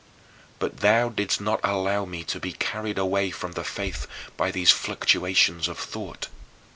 But thou didst not allow me to be carried away from the faith by these fluctuations of thought.